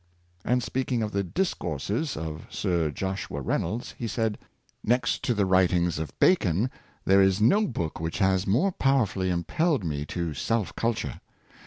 And speaking of the "Discourses" of Sir Joshua Reynolds, he said: " Next to the writings of Bacon, there is no book which has more powerfully impelled me to self culture.